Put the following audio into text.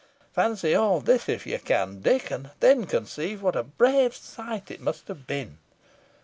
Fancy all this if you can, Dick, and then conceive what a brave sight it must have been.